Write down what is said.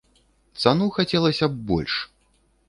Цану хацелася б больш.